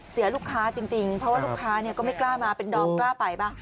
เสียลูกค้าจริงเพราะว่าลูกค้าก็ไม่กล้ามาเป็นดอมกล้าไปบ้าง